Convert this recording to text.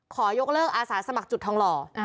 ขอยกเลิกอาสาสมัครจุดทองหล่อ